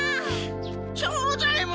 庄左ヱ門！